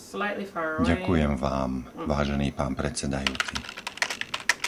Ďakujem vám, vážený pán predsedajúci.